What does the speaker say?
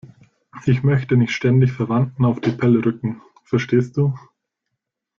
Ich möchte nicht ständig Verwandten auf die Pelle rücken, verstehst du?